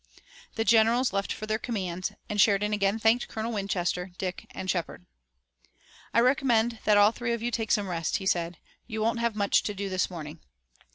The generals left for their commands, and Sheridan again thanked Colonel Winchester, Dick and Shepard. "I recommend that all three of you take some rest," he said, "you won't have much to do this morning."